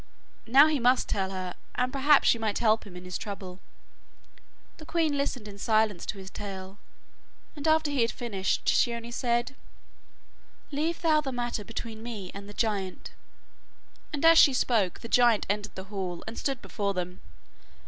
Now he must tell her, and perhaps she might help him in his trouble. The queen listened in silence to his tale, and after he had finished, she only said: 'Leave thou the matter between me and the giant,' and as she spoke, the giant entered the hall and stood before them.